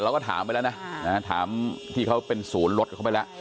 เราก็ถามไปแล้วนะถามที่เขาเป็นศูนย์รถเข้าไปแล้ว